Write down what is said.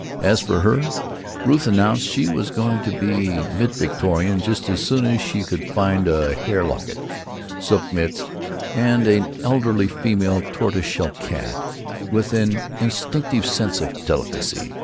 As for her, Ruth announced, she was going to be mid Victorian just as soon as she could find a hair locket, silk mitts, and an elderly female tortoise shell cat with an instinctive sense of delicacy.